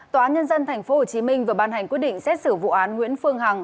tòa nhân dân tp hcm vừa ban hành quyết định xét xử vụ án nguyễn phương hằng